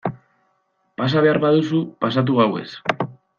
Pasa behar baduzu pasatu gauez...